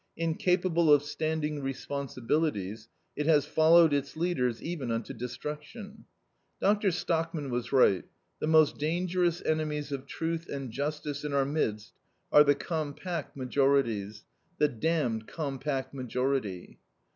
Incapable of standing responsibilities, it has followed its leaders even unto destruction. Dr. Stockman was right: "The most dangerous enemies of truth and justice in our midst are the compact majorities, the damned compact majority."